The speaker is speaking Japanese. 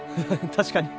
確かに。